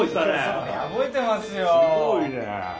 そりゃ覚えてますよ。